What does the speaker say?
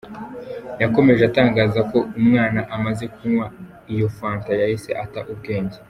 Yakomeje atangaza ko umwana amaze kunywa iyo fanta yahise ata ubwenge.